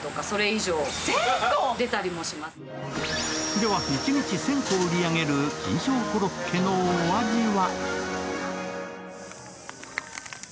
では一日１０００個売り上げる金賞コロッケのお味は？